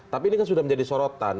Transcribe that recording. tapi ini kan sudah menjadi sorotan